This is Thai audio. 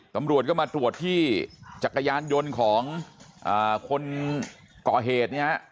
ตำรวจก็มาตรวจที่จักรยานยนต์ของคนก่อเหตุเนี่ย